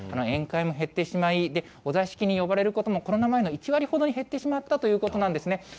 宴会も減ってしまい、お座敷に呼ばれることも、コロナ前の１割ほどに減ってしまったということなんですね。